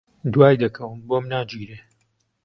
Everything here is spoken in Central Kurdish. دوای دەکەوم، بۆم ناگیرێ